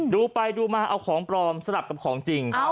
ดูไปดูมาเอาของปลอมสลับกับของจริง